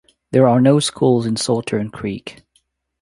There are no schools in Saltern Creek.